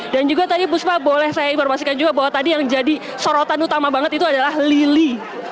dan juga tadi fuspa boleh saya informasikan juga bahwa tadi yang jadi sorotan utama banget itu adalah lili